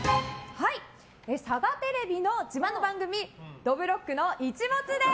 サガテレビの自慢の番組「どぶろっくの一物」です！